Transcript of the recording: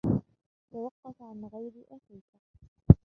توقف عن غيظ أخيك!